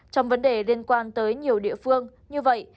trong vấn đề liên quan tới nhiều địa phương như vậy